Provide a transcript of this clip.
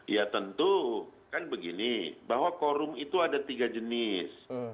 ya tentu kan begini bahwa korum itu ada tiga jenis